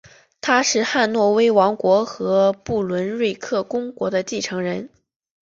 他是汉诺威王国和不伦瑞克公国的继承人。